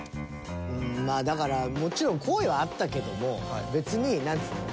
うーんまあだからもちろん好意はあったけども別になんつうの